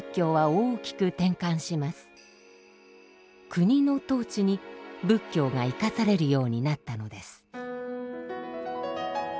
国の統治に仏教が生かされるようになったのです。